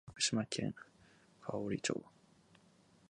福島県桑折町